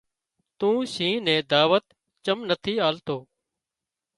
تُون شينهن نين دعوت چم نٿي آلتو